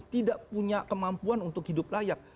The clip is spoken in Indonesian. tidak punya kemampuan untuk hidup layak